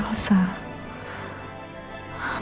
apalagi masalah bukan berkurang